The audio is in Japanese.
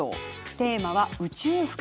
テーマは宇宙服。